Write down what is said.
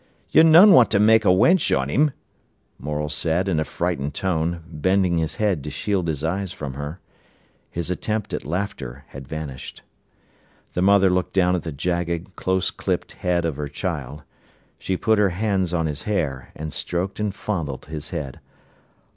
"Yer non want ter make a wench on 'im," Morel said, in a frightened tone, bending his head to shield his eyes from hers. His attempt at laughter had vanished. The mother looked down at the jagged, close clipped head of her child. She put her hands on his hair, and stroked and fondled his head.